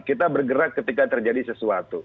kita bergerak ketika terjadi sesuatu